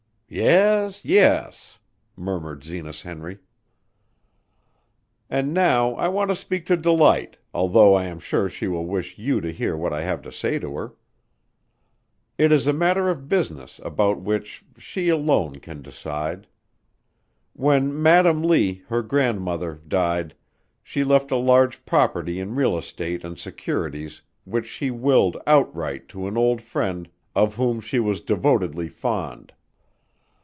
"Yes, yes!" murmured Zenas Henry. "And now I want to speak to Delight, although I am sure she will wish you to hear what I have to say to her. It is a matter of business about which she alone can decide. When Madam Lee, her grandmother, died, she left a large property in real estate and securities which she willed outright to an old friend of whom she was devotedly fond.